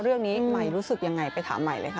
เรื่องนี้ใหม่รู้สึกยังไงไปถามใหม่เลยค่ะ